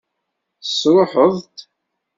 Tesṛuḥeḍ-t?